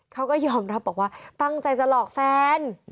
เขาก็ยอมรับบอกว่าตั้งใจจะหลอกแฟน